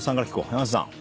山里さん。